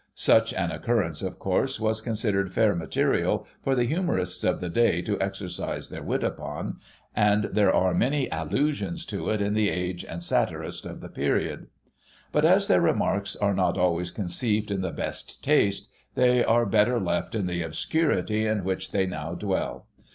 Such an occurrence, of course, was con sidered fair material for the humourists of the day to exercise their wit upon, and there are many allusions to it in the Age and Satirist of the period ; but, as their remarks are not always conceived in the best taste, they are better left in the obscurity in which they now dwell.